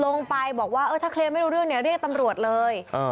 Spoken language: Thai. ลงไปบอกว่าเออถ้าเคลียร์ไม่รู้เรื่องเนี่ยเรียกตำรวจเลย